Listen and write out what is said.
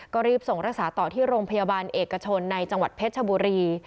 ก็รีบส่งรักษาต่อที่โรงพยาบาลเอกชนในจังหวัดเพชรชบุรี